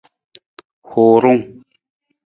Huurung.